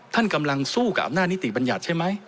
ท่านกำลังสู้กับอำนาจนิติบัญญัติใช่ไหม